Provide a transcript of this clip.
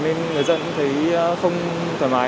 nên người dân cũng thấy không thoải mái